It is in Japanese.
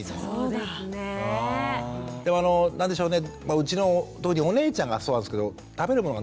でもあの何でしょうねうちの特にお姉ちゃんがそうなんですけど食べるもの